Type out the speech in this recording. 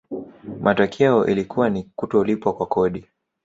matokeo ilikuwa ni kutolipwa kwa kodi